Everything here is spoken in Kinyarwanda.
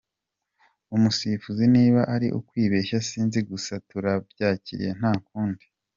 Umusifuzi niba ari ukwibeshya sinzi gusa turabyakiriye nta kundi.